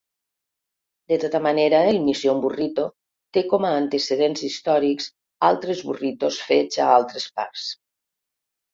De tota manera, el "Mission burrito" té com a antecedents històrics altres "burritos" fets a altres parts.